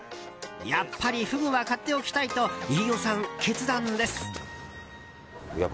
やっぱりフグは買っておきたいと飯尾さん、決断です。